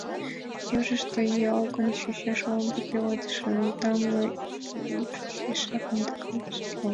Южышто юалгын чучеш, ломбо пеледышын тамле ӱпшыжӧ эше кумданрак шарла.